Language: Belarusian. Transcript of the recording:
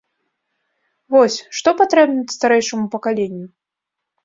Вось, што патрэбна старэйшаму пакаленню?